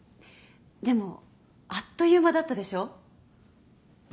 でもあっという間だったでしょう？